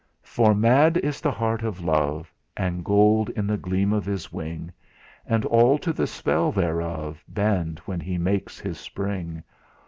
"For mad is the heart of Love, And gold the gleam of his wing; And all to the spell thereof Bend when he makes his spring.